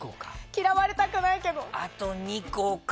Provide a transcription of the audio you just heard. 嫌われたくないけど。